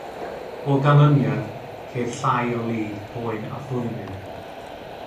O ganlyniad, ceir llai o lid, poen a thwymyn.